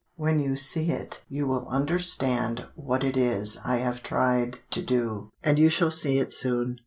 When you see it you will understand what it is I have tried to do. And you shall see it soon.